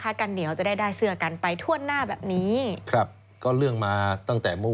กันเหนียวจะได้ได้เสื้อกันไปทั่วหน้าแบบนี้ครับก็เรื่องมาตั้งแต่เมื่อ